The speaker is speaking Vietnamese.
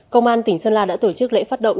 công an tỉnh sơn la đã tổ chức lễ phát động